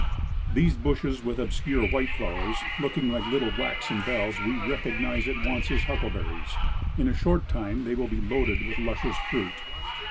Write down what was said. These bushes with obscure white flowers, looking like little waxen bells, we recognize at once as huckleberries ; in a short time they will be loaded with luscious fruit.